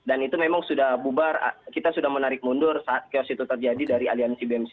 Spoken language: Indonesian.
dan itu memang sudah bubar kita sudah menarik mundur saat kiosk itu terjadi dari aliansi bmc